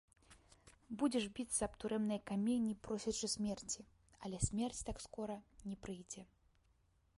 Будзеш біцца аб турэмныя каменні, просячы смерці, але смерць так скора не прыйдзе.